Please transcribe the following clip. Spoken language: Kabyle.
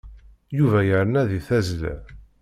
Yuba yerna deg tazzla.